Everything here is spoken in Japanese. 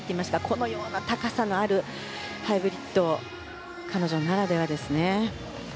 このような高さのあるハイブリッド彼女ならではですよね。